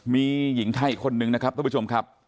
มีหญิงไทยคนหนึ่งนะครับท่านผู้ชมครับ